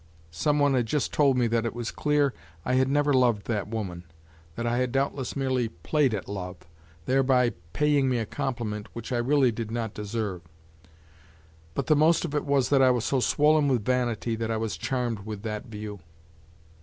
Some one had just told me that it was clear I had never loved that woman, that I had doubtless merely played at love, thereby paying me a compliment which I really did not deserve; but the most of it was that I was so swollen with vanity that I was charmed with that view.